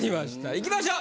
いきましょう！